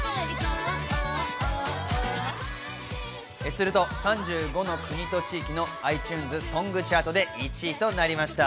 すると３５の国と地域のｉＴｕｎｅｓソングチャートで１位となりました。